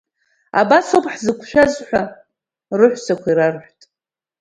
Абас ауп ҳзықәшәаз, ҳәа, рыҳәсақәа ирарҳәт.